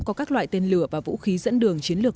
có các loại tên lửa và vũ khí dẫn đường chiến lược